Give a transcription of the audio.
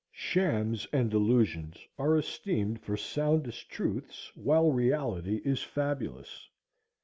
Shams and delusions are esteemed for soundest truths, while reality is fabulous.